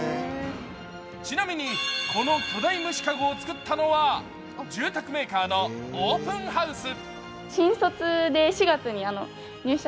ちなみに、この巨大虫かごを作ったのは住宅メーカーのオープンハウス。